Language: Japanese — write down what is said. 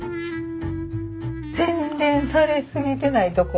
洗練されすぎてないとこ。